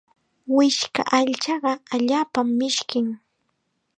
Wishka aychaqa allaapam mishkin.